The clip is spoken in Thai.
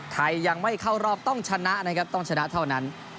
ไทยยังไม่เข้ารอบต้องชนะนะครับต้องชนะเท่านั้น